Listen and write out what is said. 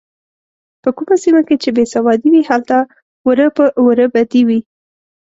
په کومه سیمه کې چې بې سوادي وي هلته وره په وره بدي وي.